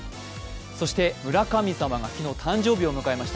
そして村神様が昨日、誕生日を迎えました。